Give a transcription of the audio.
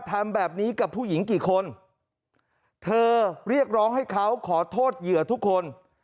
ทำแบบนี้กับผู้หญิงกี่คนเธอเรียกร้องให้เขาขอโทษเหยื่อทุกคน